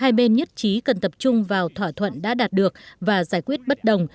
hai bên nhất trí cần tập trung vào thỏa thuận đã đạt được và giải quyết bất đồng